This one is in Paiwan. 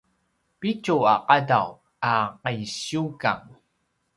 pitju a ’adav a ’isiukang